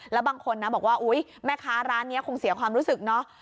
แล้วบางคนนะบอกว่าอุ๊ยแม่ค้าร้านนี้คงเสียความรู้สึกเนาะ